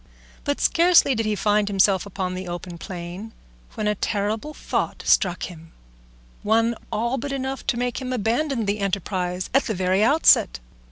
But scarcely did he find himself upon the open plain, when a terrible thought struck him, one all but enough to make him abandon the enterprise at the very outset.